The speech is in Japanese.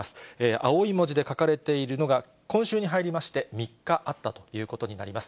青い文字で書かれているのが、今週に入りまして３日あったということになります。